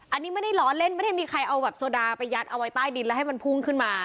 อันนี้ไม่ได้ล้อเล่นไม่ได้มีใครเอาแบบโซดาไปยัดเอาไว้ใต้ดินแล้วให้มันพุ่งขึ้นมา